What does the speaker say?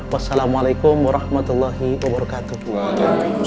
wassalamualaikum warahmatullahi wabarakatuh